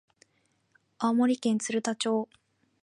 青森県鶴田町